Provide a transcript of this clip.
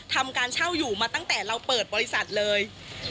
ทำการเช่าอยู่มาตั้งแต่เราเปิดบริษัทเลย